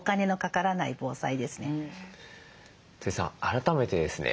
改めてですね